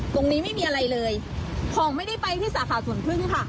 ไม่มีอะไรเลยของไม่ได้ไปที่สาขาสวนพึ่งค่ะ